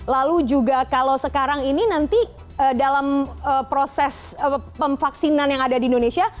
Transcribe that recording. lalu juga kalau sekarang ini nanti dalam proses pemvaksinan yang ada di indonesia